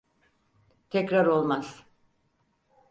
Tekrar olmaz.